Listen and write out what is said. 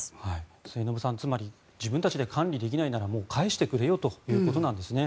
末延さん、つまり自分たちで管理できないならもう返してくれよということなんですね。